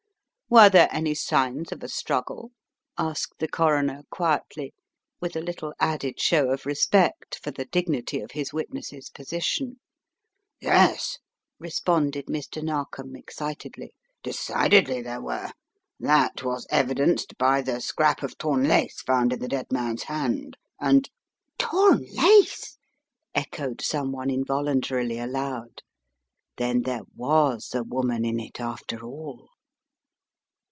"Were there any signs of a struggle? " asked the Coroner, quietly, with a little added show of respect for the dignity of his witness's position. "Yes," responded Mr. Narkom, excitedly. "De cidely there were. That was evidenced by the scrap of torn lace found in the dead man's hand, and " "Torn lace?" echoed someone involuntarily aloud Then there was a woman in it, after all